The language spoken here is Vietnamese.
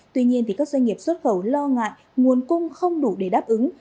tuy nhiên các doanh nghiệp xuất khẩu lo ngại nguồn cung không đủ để đáp ứng